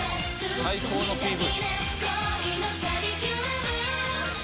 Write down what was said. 最高のＰＶ。